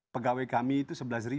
pegawai kami itu sebelas